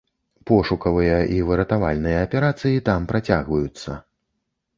Пошукавыя і выратавальныя аперацыі там працягваюцца.